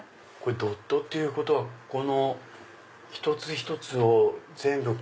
ドットっていうことは一つ一つを全部。